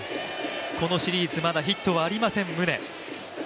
このシリーズまだヒットはありません。